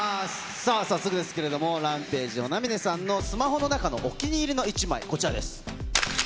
さあ、早速ですけれども、ランページ・与那嶺さんのスマホの中のお気に入りの１枚、こちらです。